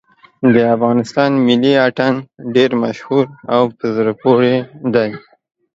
د افغانستان ملي اتڼ ډېر مشهور او په زړه پورې دی.